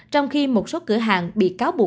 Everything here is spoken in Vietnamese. trong khi một số cửa hàng bị cáo bỏ